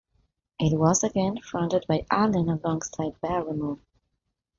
It was again fronted by Allen, alongside Barrymore.